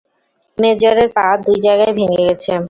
মেজরের পা দুই জায়গায় ভেঙে গেছে।